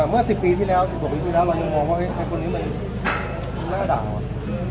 เมื่อ๑๐ปีที่แล้วเรายังมองว่าเอ้ยท่านพนนี้มันหน้าด่างหรอ